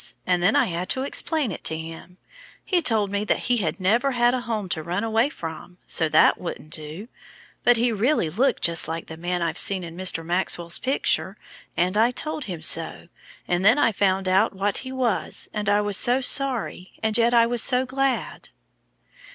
And then I had to explain it to him. He told me he had never had a home to run away from, so that wouldn't do; but he really looked just like the man I've seen in Mr. Maxwell's picture, and I told him so, and then I found out what he was, and I was so sorry, and yet I was so glad."